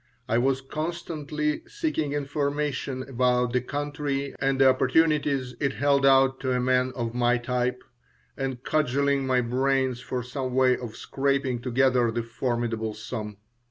I was constantly seeking information about the country and the opportunities it held out to a man of my type, and cudgeling my brains for some way of scraping together the formidable sum.